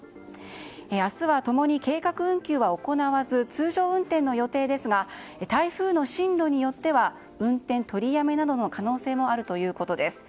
明日は共に計画運休は行わず通常運転の予定ですが台風の進路によっては運転取りやめなどの可能性もあるということです。